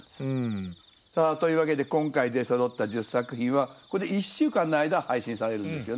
さあというわけで今回出そろった１０作品はこれ１週間の間配信されるんですよね。